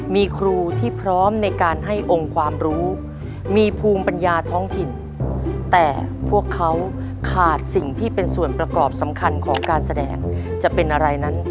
มีครูที่พร้อมในการให้องค์ความรู้มีภูมิปัญญาท้องถิ่น